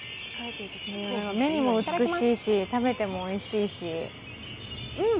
目にも美しいし、食べてもおいしいし。